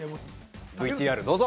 ＶＴＲどうぞ！